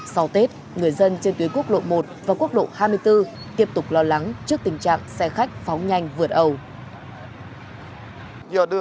sau tết người dân trên tuyến quốc lộ một và quốc lộ hai mươi bốn tiếp tục lo lắng trước tình trạng xe khách phóng nhanh vượt ẩu